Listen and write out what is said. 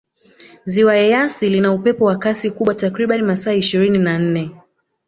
ziwa eyasi lina upepo wa Kasi kubwa takribani masaa ishirini na nne